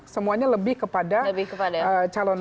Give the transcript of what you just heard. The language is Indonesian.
semuanya lebih kepada calon